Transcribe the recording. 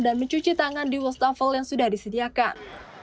dan mencuci tangan di wastafel yang sudah disediakan